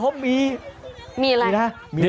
โอ้โหโอ้โห